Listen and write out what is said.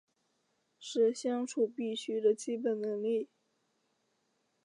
是相处必须的基本能力